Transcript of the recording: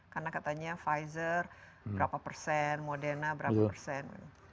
karena katanya pfizer berapa persen modena berapa persen